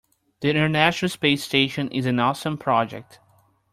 The international space station is an awesome project.